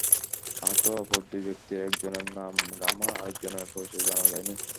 আহত অপর দুই ব্যক্তির একজনের নাম গামা, আরেকজনের পরিচয় জানা যায়নি।